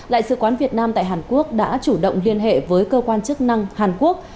đại sứ quán việt nam tại hàn quốc đã chủ động liên hệ với cơ quan chức năng hàn quốc